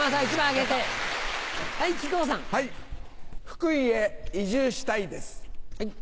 福井へ移住したいです。